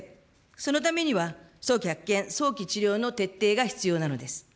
そのためには早期発見、早期治療の徹底が必要なのです。